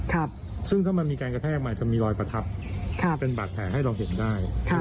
ครับซึ่งถ้ามันมีการกระแทกมันจะมีรอยประทับครับเป็นบาดแผลให้เราเห็นได้ค่ะ